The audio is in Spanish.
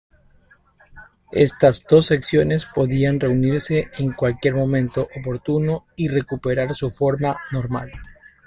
Estas dos secciones podían reunirse en cualquier momento oportuno y recuperar su forma normal.